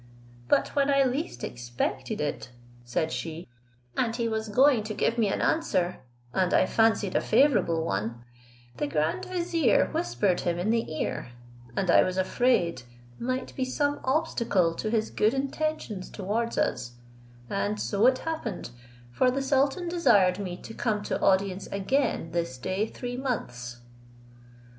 "But when I least expected it," said she, "and he was going to give me an answer, and I fancied a favourable one, the grand vizier whispered him in the ear, and I was afraid might be some obstacle to his good intentions towards us, and so it happened, for the sultan desired me to come to audience again this day three months."